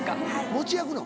餅焼くの？